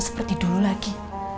seperti dulu lagi